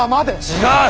違う！